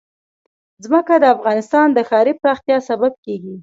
ځمکه د افغانستان د ښاري پراختیا سبب کېږي.